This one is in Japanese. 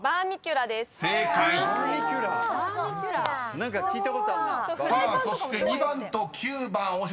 何か聞いたことあるな。